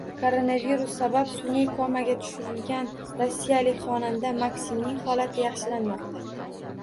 Koronavirus sabab sun’iy komaga tushirilgan rossiyalik xonanda MakSimning holati yaxshilanmoqda